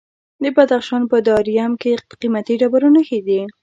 د بدخشان په درایم کې د قیمتي ډبرو نښې دي.